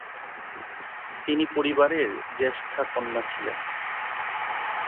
তিনি পরিবারের জ্যেষ্ঠা কন্যা ছিলেন।